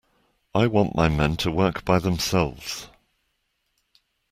I want my men to work by themselves.